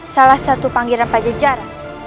salah satu panggilan pajajaran